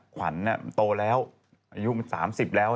ขวัญโตแล้วอายุมัน๓๐แล้ว